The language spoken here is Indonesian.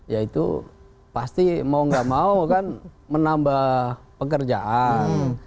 ya itu pasti mau nggak mau kan menambah pekerjaan